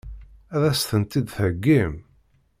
Ad as-tent-id-theggim?